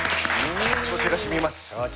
焼酎が染みます。